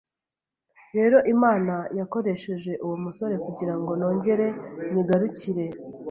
rero Imana yakoresheje uwo musore kugirango nongere nyigarukire.